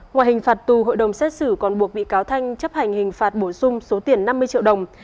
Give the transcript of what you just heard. ngoài hình phạt tù hội đồng xét xử còn buộc bị cáo thanh chấp hành hình phạt bổ sung số tiền năm mươi triệu đồng